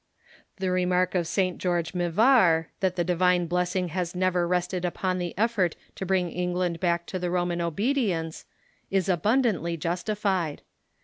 The remark of St. George Mivart, that the divine blessing has never rested upon the effort to bring England back to the Roman obedience, is abundantly justified.